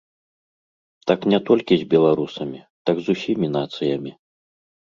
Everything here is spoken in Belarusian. Так не толькі з беларусамі, так з усімі нацыямі.